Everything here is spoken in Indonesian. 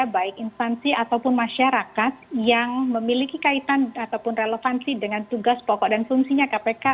baik instansi ataupun masyarakat yang memiliki kaitan ataupun relevansi dengan tugas pokok dan fungsinya kpk